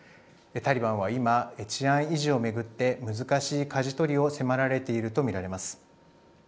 タリバンは今、治安維持を巡って難しいかじ取りを迫られているとみられています。